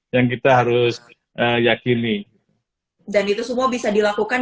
yang kita harus yakini dan itu semua bisa dilakukan